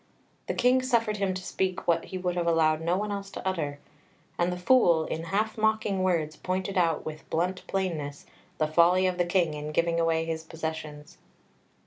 The King suffered him to speak what he would have allowed no one else to utter, and the Fool, in half mocking words, pointed out with blunt plainness the folly of the King in giving away his possessions.